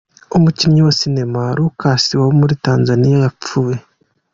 Umukinnyi wa sinema Rukasu womuri Tanzaniya yapfuye